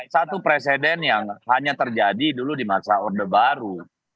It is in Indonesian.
satu presiden yang hanya terjadi dulu di masa orde baru